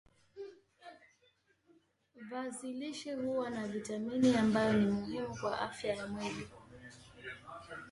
viazi lishe huwa na vitamini ambayo ni muhimu kwa afya ya mwili